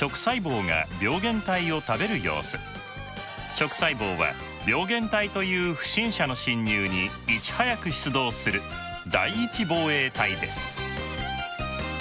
食細胞は病原体という不審者の侵入にいち早く出動する第１防衛隊です。